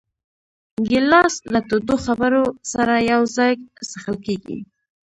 ګیلاس له تودو خبرو سره یو ځای څښل کېږي.